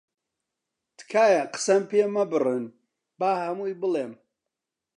تکایە قسەم پێ مەبڕن، با هەمووی بڵێم.